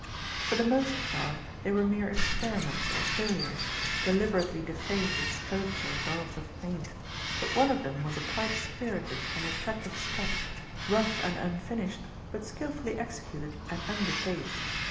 For the most part, they were mere experiments or failures, deliberately defaced with strokes or daubs of paint, but one of them was a quite spirited and attractive sketch, rough and unfinished, but skilfully executed and undefaced.